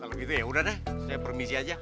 kalau gitu ya udah deh saya permisi aja